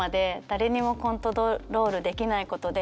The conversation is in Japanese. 誰にもコントロールできないことで。